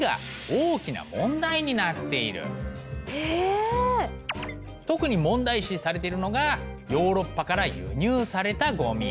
特に問題視されているのがヨーロッパから輸入されたゴミ。